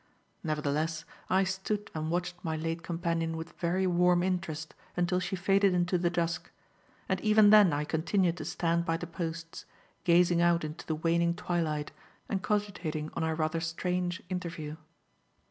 Nevertheless, I stood and watched my late companion with very warm interest until she faded into the dusk; and even then I continued to stand by the posts, gazing out into the waning twilight and cogitating on our rather strange interview.